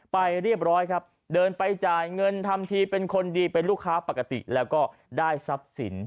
ไปเรียบร้อยครับเดินไปจ่ายเงินทำทีเป็นคนดีเป็นลูกค้าปกติแล้วก็ได้ทรัพย์สิน